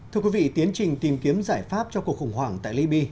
thưa quý vị tiến trình tìm kiếm giải pháp cho cuộc khủng hoảng tại liby